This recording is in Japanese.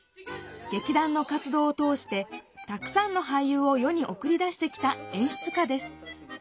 劇団の活どうを通してたくさんの俳優を世におくり出してきた演出家です